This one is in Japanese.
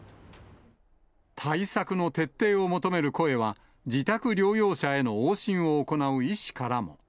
対策の徹底を求める声は、自宅療養者への往診を行う医師からも。